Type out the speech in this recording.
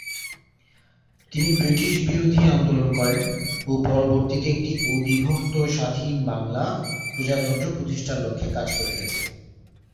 তিনি ব্রিটিশ বিরোধী আন্দোলন করেন ও পরবর্তীতে একটি অবিভক্ত স্বাধীন বাংলা প্রজাতন্ত্র প্রতিষ্ঠার লক্ষে কাজ করে গেছেন।